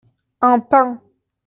Un pain.